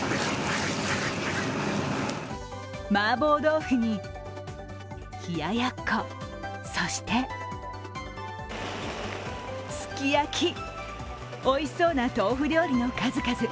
麻婆豆腐に冷や奴、そしてすき焼き、おいしそうな豆腐料理の数々。